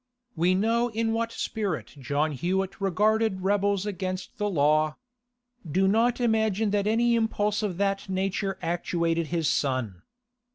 We know in what spirit John Hewett regarded rebels against the law. Do not imagine that any impulse of that nature actuated his son.